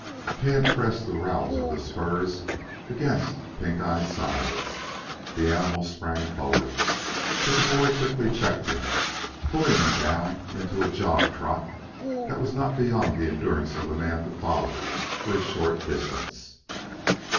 Tad pressed the rowels of his spurs against Pink eye's sides. The animal sprang forward, but the boy quickly checked him, pulling him down into a jog trot that was not beyond the endurance of a man to follow for a short distance.